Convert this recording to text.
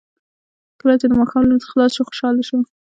کله چې د ماښام لمونځ خلاص شو خوشاله شو.